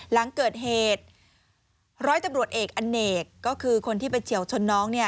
หลังเกิดเหตุร้อยตำรวจเอกอเนกก็คือคนที่ไปเฉียวชนน้องเนี่ย